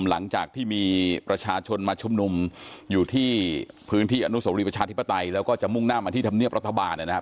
หลังจากที่มีประชาชนมาชุมนุมอยู่ที่พื้นที่อนุสวรีประชาธิปไตยแล้วก็จะมุ่งหน้ามาที่ธรรมเนียบรัฐบาลนะครับ